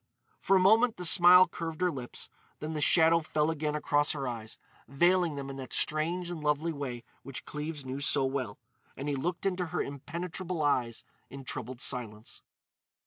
For a moment the smile curved her lips, then the shadow fell again across her eyes, veiling them in that strange and lovely way which Cleves knew so well; and he looked into her impenetrable eyes in troubled silence.